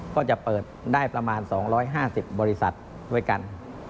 ก็จะเปิดได้ประมาณ๒๕๐บริษัทด้วยกัน